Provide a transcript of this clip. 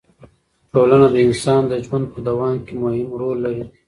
ټولنه د انسان د ژوند په دوام کې مهم رول لري.